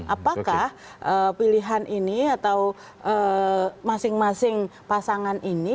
apakah pilihan ini atau masing masing pasangan ini